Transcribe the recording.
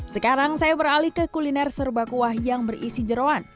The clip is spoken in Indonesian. sekarang saya beralih ke kuliner serba kuah yang berisi jerawan